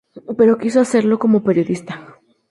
Pero quiso hacerlo como periodista.